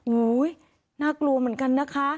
น่ากลัวเหมือนกันนะคะ